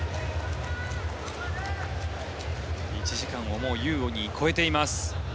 １時間を優に超えています。